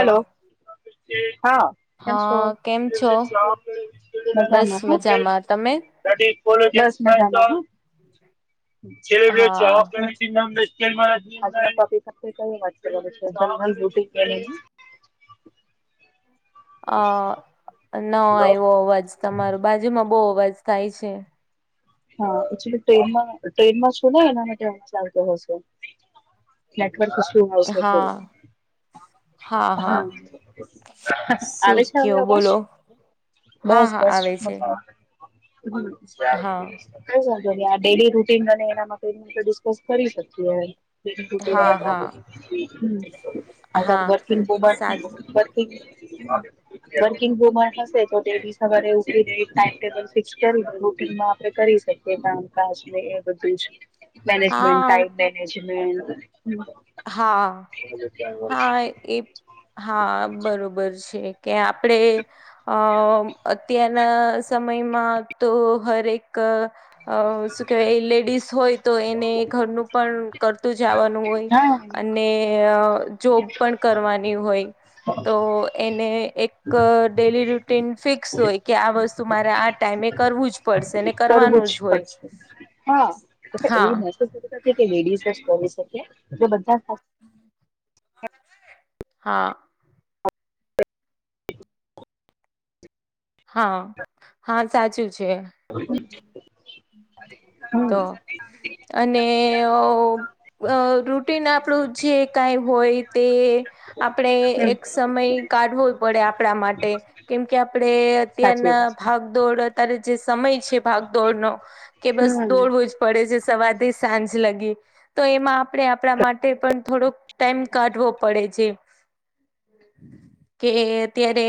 Hello એ હા કેમ છો હા કેમ છો [unintelligible] બસ મજામાં તમે હા મજામાં હં [inaudible] [inaudible] અ ના આવ્યો અવાજ તમારો બાજુમાં બો અવાજ થાય છે. હ એક્ટુઅલી ટ્રેનમાં ટ્રેનમાં છું ને એના માટે હ ચાલતો હશે. નેટવર્ક ઇસ્યૂ હોયશે હા થોડું. હા શું આવે છે, અવે કયો અવાજ? બોલો હા બસ હા બસ આવે છે મજામા હમ. હા [unintelligible] ડેલી રૂટીન અને એનામાં ડિસ્કસ કરી શકીએ? [inaudible] હા હા ઠીક હા સાત વર્કિંગ વુમન હશે તો ડેલી સવારે ઊઠીને એક ટાઇમટેબલ ફિકસ કરીને રૂટિનમાં કરી શકીએ કામકાજને એ બધું જ મેનેજમેન્ટ હા ટાઈમે નેજમેનટ હા. [inaudible] હા એ હા એ હા બરોબર છે. કે આપણે અ અત્યા ના સમયમાં તો હરેક અ શું કેહેવાય લેડીસ હોય તો એને ઘરનું પણ કરતું જાવાનું હોય. હા. ને જોબ પણ કરવાની હોય. તો એને એક ડેલી રૂટીન ફિક્સ હોય કે આ વસ તુ મારે આ ટાઈમે કરવું જ પડશે ને કરવું કરવાનું જ હોય પડશે. હા [unintelligible] હા કે લેડીઝ જ કરી શકે જો બધા સા હા. હા હા સાચું છે. [inaudible] અનેઅ અ રૂટીન આપણું જે કાંઈ હોય તે આપણે હમ એક સમય કાઢવો પડે આપણા માટે કેમકે આપ સાચી અત્યારના વાત ભાગદોડ અત્યારે જે સમય છે, ભાગદોડનો કે છે બસ હમ દોડવું જ પડે છે, સવારથી સાંજ લગી તો એમાં આપણે આપણા મા ટે પણ થોડોક ટાઈમ કાઢવો પડે છે. કે અત્યારે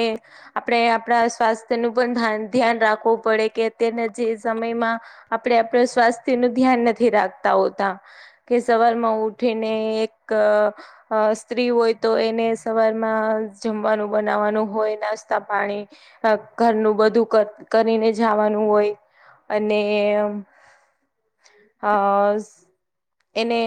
આપણેે પણા સ્વાસ્થ્ય નું પણ ધ્યાન રાખવું પડે કે અત્યારના જે સમયમાં આપણે આપણ સ્વાસ્થ્યનું ધ્યાન નથી રાખતા હોતા. કે સવારમાં ઉઠીને એક અ સ્ત્રી હોય તો એને સવારમાં જમવાનું બનાવાનું હોય નાસ્તા પાણી ઘરનું બધું ક કરીને જાવાનું હોય. અને [unintelligible] એને